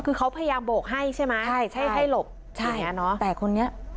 คือเขาพยายามโบกให้ใช่ไหมใช่ใช่ให้หลบใช่แต่คนนี้